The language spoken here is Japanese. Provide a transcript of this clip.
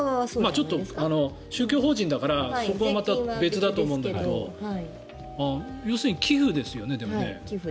ちょっと宗教法人だからそこはまた別だと思うんだけど要するに寄付ですよね。